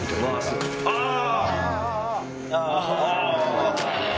あ！あ。